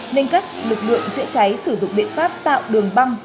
nên các lực lượng chữa cháy sử dụng biện pháp tạo đường băng